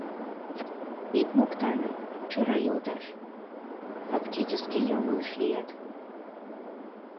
Ит моктане, Чорай йолташ: фактически йоҥылыш лият.